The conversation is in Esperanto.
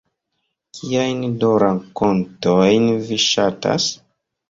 Kiajn do rakontojn vi ŝatas?